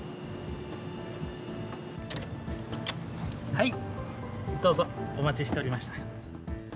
はい、どうぞ、お待ちしておりました。